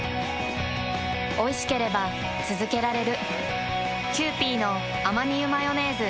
おいしければつづけられる。